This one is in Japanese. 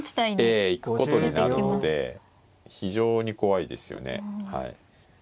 ええ行くことになるので非常に怖いですよね。